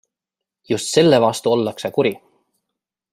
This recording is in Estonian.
Just selle vastu ollakse kuri.